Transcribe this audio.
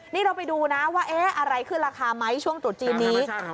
นี่เราไปดูนะว่าเอ้ยอะไรขึ้นราคามั้ยช่วงตรวจจีนนี้มันสนุกหน่อย